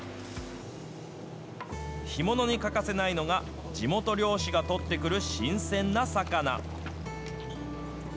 干物に欠かせないのが、地元漁師が取ってくる新鮮な魚。